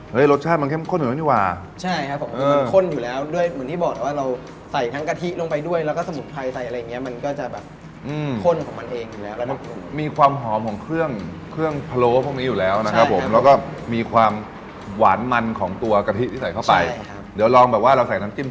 รสชาติมันเข้มข้นอยู่แล้วนี่หว่าใช่ครับผมเออมันข้นอยู่แล้วด้วยเหมือนที่บอกว่าเราใส่ทั้งกะทิลงไปด้วยแล้วก็สมุนไพรใส่อะไรอย่างเงี้ยมันก็จะแบบข้นของมันเองอยู่แล้วแล้วมันมีความหอมของเครื่องเครื่องพะโล้พวกนี้อยู่แล้วนะครับผมแล้วก็มีความหวานมันของตัวกะทิที่ใส่เข้าไปใช่ครับเดี๋ยวลองแบบว่าเราใส่น้ำจิ้ม